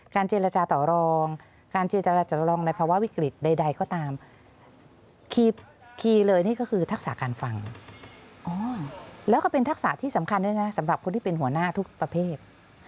เจรจาต่อรองการเจรจาจัดรองในภาวะวิกฤตใดก็ตามคีย์เลยนี่ก็คือทักษะการฟังแล้วก็เป็นทักษะที่สำคัญด้วยนะสำหรับคนที่เป็นหัวหน้าทุกประเภท